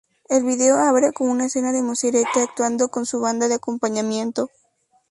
El video abre con una escena de Morissette actuando con su banda de acompañamiento.